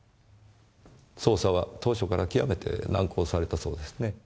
捜査は当初からきわめて難航されたそうですね。